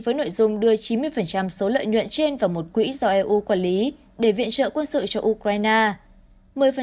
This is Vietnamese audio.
với nội dung đưa chín mươi số lợi nhuận trên vào một quỹ do eu quản lý để viện trợ quân sự cho ukraine